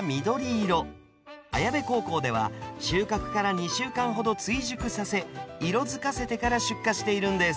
綾部高校では収穫から２週間ほど追熟させ色づかせてから出荷しているんです。